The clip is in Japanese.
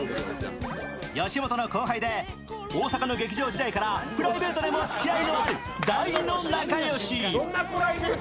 吉本の後輩で大阪の劇場時代からプライベートでも付き合いのある大の仲良し。